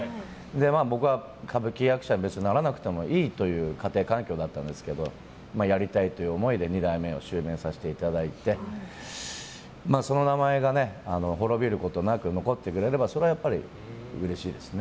僕は歌舞伎役者に別にならなくてもいいという家庭環境だったんですけどやりたいという思いで２代目を襲名させていただいてその名前が滅びることなく残っていけばそれはやっぱりうれしいですね。